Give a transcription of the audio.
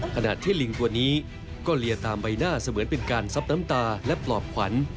ขณะที่ลิงตัวนี้ก็เลียตามใบหน้าเสมือนเป็นการซับน้ำตาและปลอบขวัญ